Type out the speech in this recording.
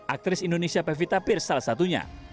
aktris indonesia pevita peer salah satunya